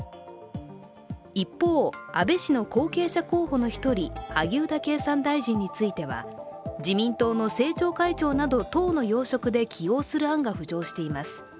一方、安倍氏の後継者候補の一人萩生田経産大臣については自民党の政調会長など党の要職で起用する案が浮上しています。